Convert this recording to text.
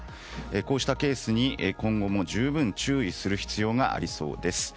こうしたケースに今後も十分注意する必要がありそうです。